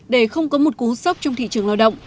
để không có một cú sốc trong thị trường lao động